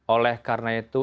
oleh karena itu